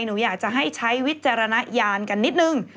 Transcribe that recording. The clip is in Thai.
หนูอยากจะให้ใช้วิจารณญาณกันนิดนึง